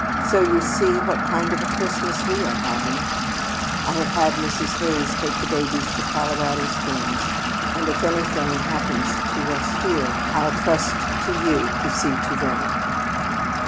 "So you see what kind of a Christmas we are having! I have had Mrs. Hays take the babies to Colorado Springs, and if anything happens to us here, I'll trust to you to see to them.